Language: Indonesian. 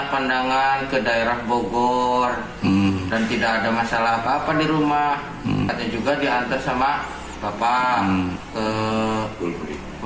pandangan ke daerah bogor dan tidak ada masalah apa apa di rumah katanya juga diantar sama bapak ke